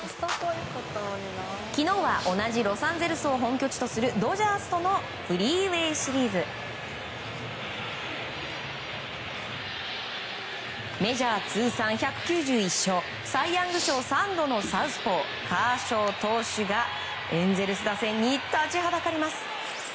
昨日は、同じロサンゼルスを本拠地とするドジャースとのフリーウェイ・シリーズ。メジャー通算１９１勝サイ・ヤング賞３度のサウスポーカーショー投手がエンゼルス打線に立ちはだかります。